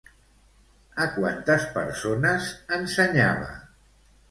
A quantes persones ensenyava?